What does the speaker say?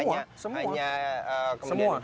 hanya kemudian udah semua